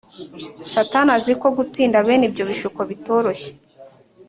satani azi ko gutsinda bene ibyo bishuko bitoroshye